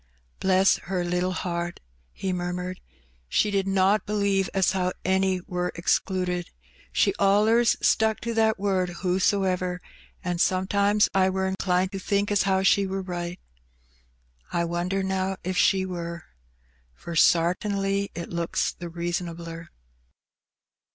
"Bless her little heart!'' he murmured; "she did not believe as how any wur excluded; she allers stuck to that word 'whosoever,' an' sometimes I wur inclined to think as how she wur right. I wonder, now, if she wur? for sartinly it looks the reasonabler.